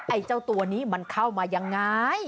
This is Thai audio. ไอ้เจ้าตัวนี้มันเข้ามายังไง